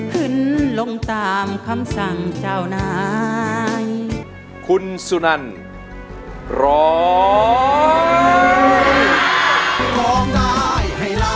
คุณสุนันร้อย